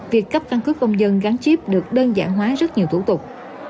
việc cấp căn cước công dân gắn chip được đơn giản hóa rất nhiều thủ tục